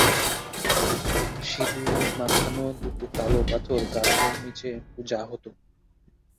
সিঁদুর মাখানো দুটো কালো পাথর গাছের নিচে পূজা হতো।